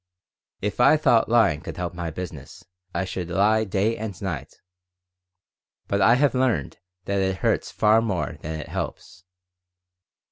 If I thought lying could help my business, I should lie day and night. But I have learned that it hurts far more than it helps.